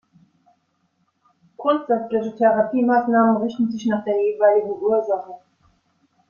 Grundsätzliche Therapiemaßnahmen richten sich nach der jeweiligen Ursache.